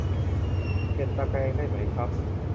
เปลี่ยนตะแกรงได้ไหมครับ